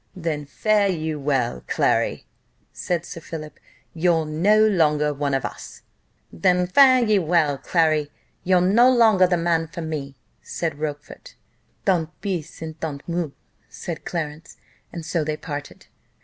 "Then fare you well, Clary," said Sir Philip, "you're no longer one of us." "Then fare ye well, Clary, you're no longer the man for me," said Rochfort. "Tant pis, and tant mieux" said Clarence, and so they parted.